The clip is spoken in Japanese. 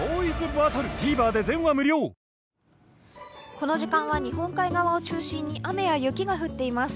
この時間は日本海側を中心に雨や雪が降っています。